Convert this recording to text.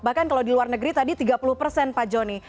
bahkan kalau di luar negeri tadi tiga puluh persen pak joni